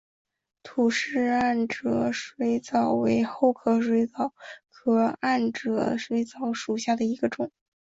吐氏暗哲水蚤为厚壳水蚤科暗哲水蚤属下的一个种。